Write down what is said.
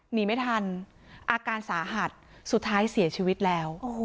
หนีไม่ทันอาการสาหัสสุดท้ายเสียชีวิตแล้ว